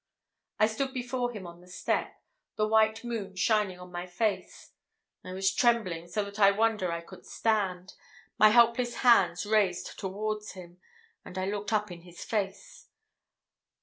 I stood before him on the step, the white moon shining on my face. I was trembling so that I wonder I could stand, my helpless hands raised towards him, and I looked up in his face.